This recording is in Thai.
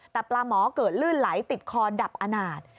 แต่ปลาหมอเกิดลื่นไหลติดคอดับอนาจ